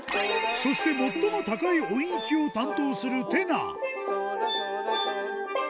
そして最も高い音域を担当するテナー。